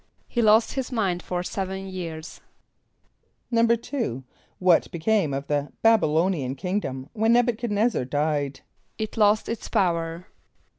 =He lost his mind for seven years.= =2.= What became of the B[)a]b [)y] l[=o]´n[)i] an kingdom when N[)e]b u chad n[)e]z´zar died? =It lost its power.